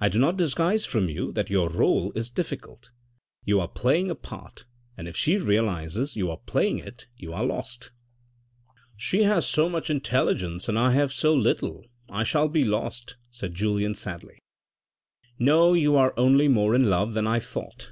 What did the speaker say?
I do not disguise from you that your role is difficult ; you are playing a part, and if she realises you are playing it you are lost. "" She has so much intelligence and I have so little, I shall be lost," said Julien sadly. " No, you are only more in love than I thought.